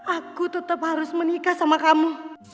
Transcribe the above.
aku tetap harus menikah sama kamu